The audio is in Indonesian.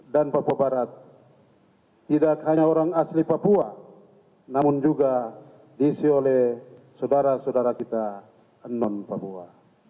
dan papua barat tidak hanya orang asli papua namun juga diisi oleh saudara saudara kita non papua